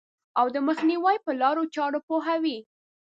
او د مخنیوي په لارو چارو پوهوي.